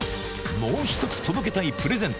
もう一つ届けたいプレゼント。